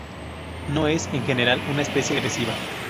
No es, en general, una especie agresiva.